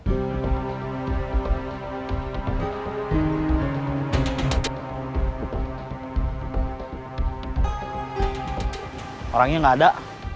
orangnya gak ada